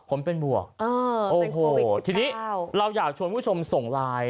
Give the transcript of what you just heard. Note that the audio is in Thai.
ผมเป็นบวกโอ้โหทีนี้เราอยากชวนผู้ชมส่งไลน์